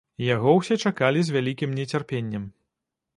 Яго ўсе чакалі з вялікім нецярпеннем.